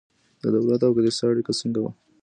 د دولت او کلیسا اړیکه څنګه وه؟